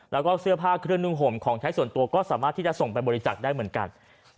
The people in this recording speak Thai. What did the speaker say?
แล้วก็เสื้อผ้าเครื่องนุ่งห่มของใช้ส่วนตัวก็สามารถที่จะส่งไปบริจักษ์ได้เหมือนกัน